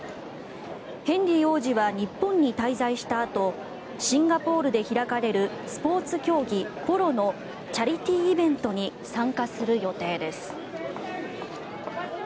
ヘンリー王子は日本に滞在したあとシンガポールで開かれるスポーツ競技、ポロのチャリティーイベントに参加する予定です。